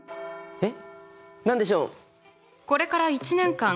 えっ！